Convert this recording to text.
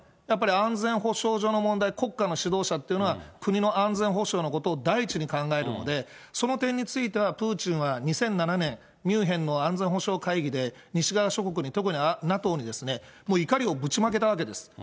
やっぱり安全保障上の問題、国家の主導者っていうのは、国の安全保障のことを第一に考えるので、その点については、プーチンは２００７年、ミュンヘンの安全保障会議で、西側諸国に、特にＮＡＴＯに、怒りをぶちまけたわけです。